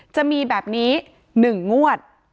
จะมีแบบนี้๑งวด